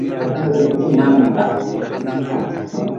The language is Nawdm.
Naamta.